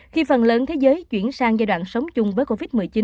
khi phần lớn thế giới chuyển sang giai đoạn sống chung với covid một mươi chín